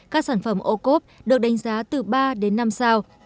các sản phẩm ô cốp được đánh giá từ ba đến năm sao